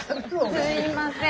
すいません